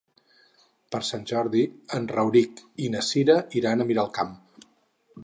Per Sant Jordi en Rauric i na Cira iran a Miralcamp.